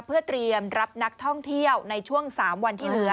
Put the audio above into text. เพื่อเตรียมรับนักท่องเที่ยวในช่วง๓วันที่เหลือ